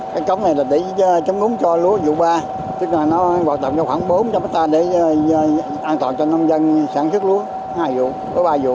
cái cống này là để chấm ngúng cho lúa vụ ba tức là nó vào tầm khoảng bốn trăm linh ha để an toàn cho nông dân sản xuất lúa hai vụ có ba vụ